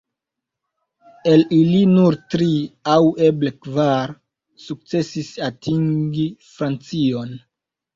El ili nur tri, aŭ eble kvar, sukcesis atingi Francion.